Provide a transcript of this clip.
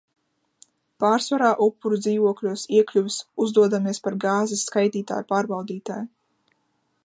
Pārsvarā upuru dzīvokļos iekļuvis, uzdodamies par gāzes skaitītāju pārbaudītāju.